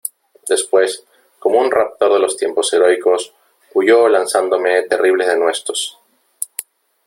después , como un raptor de los tiempos heroicos , huyó lanzándome terribles denuestos .